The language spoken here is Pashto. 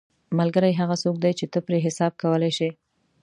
ملګری هغه څوک دی چې ته پرې حساب کولی شې